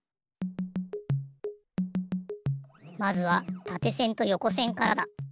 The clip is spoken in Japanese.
まずはたてせんとよこせんからだ。